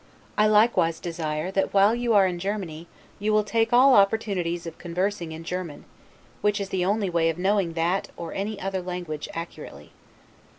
I likewise desire, that while you are in Germany, you will take all opportunities of conversing in German, which is the only way of knowing that, or any other language, accurately.